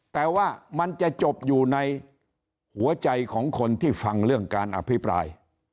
แต่ว่ามันจะจบอยู่ในหัวใจของคนที่ฟังเรื่องการอภิปราย